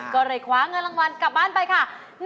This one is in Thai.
ก็เลยคว้าเงินรางวัลกลับบ้านไปค่ะ